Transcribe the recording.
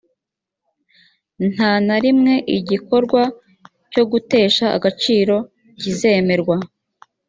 nta na rimwe igikorwa cyo gutesha agaciro kizemerwa